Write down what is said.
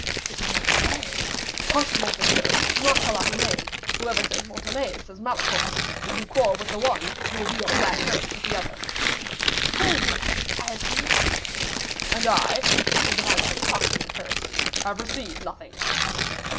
"It is Montalais." "Hush, monseigneur; do not call out her name; whoever says Montalais says Malicorne. If you quarrel with the one, you will be on bad terms with the other." "Very well; I have seen nothing." "And I," said the valet, pocketing the purse, "have received nothing."